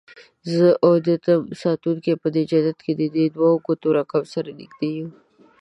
زه اودیتیم ساتونکی به په جنت کې ددې دوو ګوتو رکم، سره نږدې یو